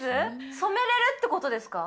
染めれるってことですか？